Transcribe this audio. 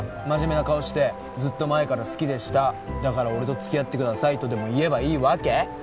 マジメな顔してずっと前から好きでしただから俺とつきあってくださいとでも言えばいいわけ？